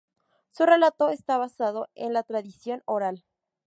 Su relato está basado en la tradición oral.